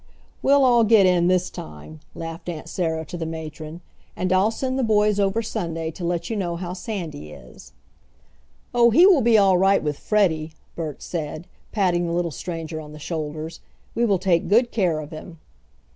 "We'll all get in this time," laughed Aunt Sarah to the matron. "And I'll send the boys over Sunday to let you know how Sandy is." "Oh, he will be all right with Freddie!" Bert said, patting the little stranger on the shoulders. "We will take good care of him."